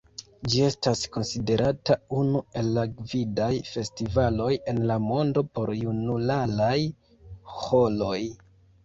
Ĝi estas konsiderata unu el la gvidaj festivaloj en la mondo por junularaj ĥoroj.